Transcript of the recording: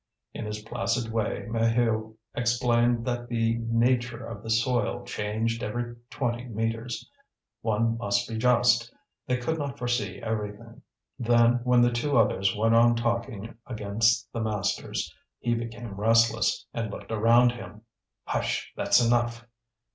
In his placid way Maheu explained that the nature of the soil changed every twenty metres. One must be just; they could not foresee everything. Then, when the two others went on talking against the masters, he became restless, and looked around him. "Hush! that's enough."